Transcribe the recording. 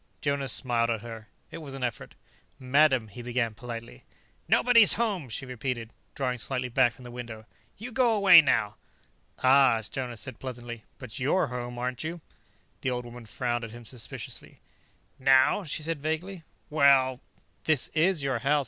Jonas smiled at her. It was an effort. "Madam " he began politely. "Nobody's home," she repeated, drawing slightly back from the window. "You go away, now." "Ah," Jonas said pleasantly. "But you're home, aren't you?" The old woman frowned at him suspiciously. "Now," she said vaguely. "Well." "This is your house?"